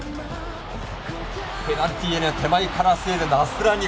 ペナルティーエリア手前からスウェーデンのアスラニ。